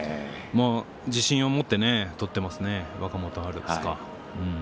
もう自信を持って取っていますよね、若元春です。